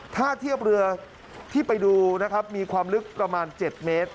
ท่าเทียบเรือที่ไปดูนะครับมีความลึกประมาณ๗เมตร